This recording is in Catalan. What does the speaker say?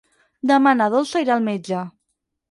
Demà na Dolça irà al metge.